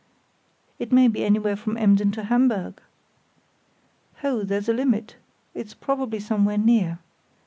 '" "It may be anywhere from Emden to Hamburg." [See Map B] "No, there's a limit; it's probably somewhere near.